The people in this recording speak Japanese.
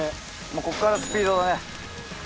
ここからスピードだね。